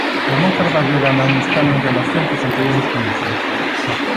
Ramón Carballo gana un escano en relación cos anteriores comicios.